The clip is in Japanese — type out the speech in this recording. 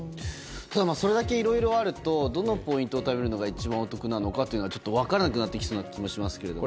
それだけ、いろいろあるとどのポイントをためるのかが一番お得なのかというのが分からなくなってきそうな気がするんですけど。